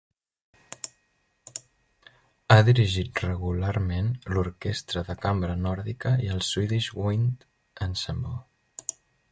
Ha dirigit regularment l'Orquestra de cambra nòrdica i el Swedish Wind Ensemble.